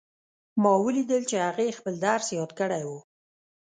ما ولیدل چې هغې خپل درس یاد کړی وو